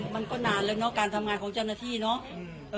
มันก็นานแล้วเนาะการทำงานของเจ้าหน้าที่เนาะ